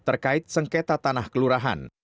terkait sengketa tanah kelurahan